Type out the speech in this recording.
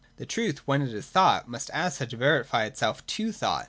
The truth when it is thought must as such verify itself to thought.